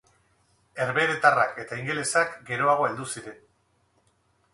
Herbeheretarrak eta ingelesak geroago heldu ziren.